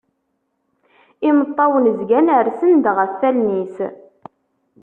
Imeṭṭawen zgan rsen-d ɣef wallen-is.